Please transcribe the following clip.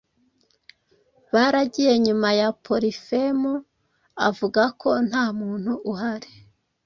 baragiye nyuma ya Polifemu avuga ko "Nta muntu uhari